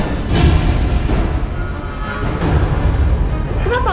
aku tuh gak mau ngapain